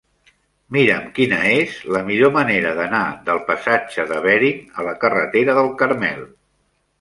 Mira'm quina és la millor manera d'anar del passatge de Bering a la carretera del Carmel.